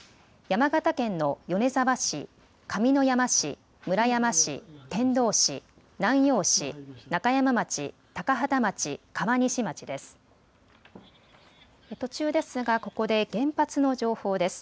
山形県の米沢市、上山市、村山市、天童市、南陽市、中山町、高畠町、川西町です。